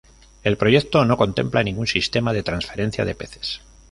El proyecto no contempla ningún sistema de transferencia de peces.